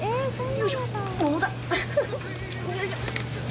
よいしょっ。